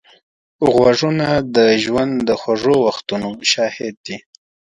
غوږونه د ژوند د خوږو وختونو شاهد دي